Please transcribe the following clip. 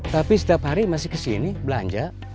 tapi setiap hari masih kesini belanja